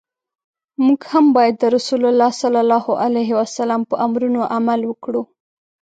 موږ هم باید د رسول الله ص په امرونو عمل وکړو.